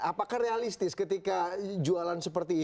apakah realistis ketika jualan seperti ini